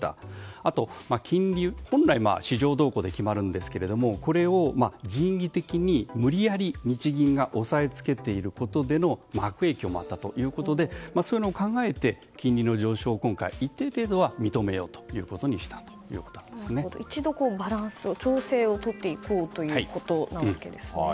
あと金利、本来市場動向で決まるんですけれどもこれを人為的に無理やり日銀が押さえつけていることでの悪影響もあったということでそういうことも考えて金利の上昇を今回一定程度は認めようということに一度、バランスを調整を取っていこうということなわけですね。